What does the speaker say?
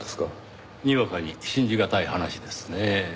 にわかに信じがたい話ですねぇ。